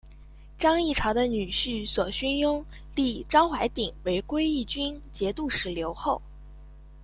张议潮的女婿索勋拥立张淮鼎为归义军节度使留后。